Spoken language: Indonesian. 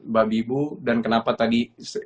babi ibu dan kenapa tadi